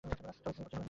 সবাই ঘুমিয়ে পড়েছে।